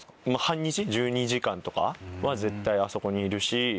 半日１２時間とかは絶対あそこにいるし。